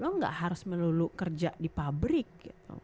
lo gak harus melulu kerja di pabrik gitu